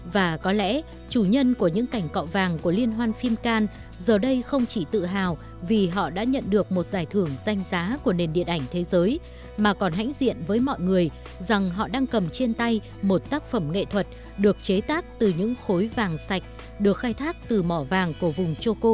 và có lẽ chủ nhân của những cảnh cọ vàng của liên hoan phim can giờ đây không chỉ tự hào vì họ đã nhận được một giải thưởng danh giá của nền điện ảnh thế giới mà còn hãnh diện với mọi người rằng họ đang cầm trên tay một tác phẩm nghệ thuật được chế tác từ những khối vàng sạch được khai thác từ mỏ vàng của vùng cho cô